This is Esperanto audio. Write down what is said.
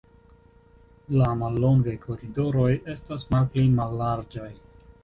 La mallongaj koridoroj estas malpli mallarĝaj.